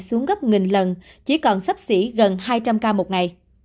xuống gấp nghìn lần chỉ còn sắp xỉ gần hai trăm linh ca một ngày